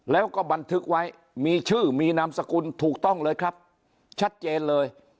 แล้วก็บันทึกไว้มีชื่อมีนามสกุลถูกต้องเลยครับชัดเจนเลย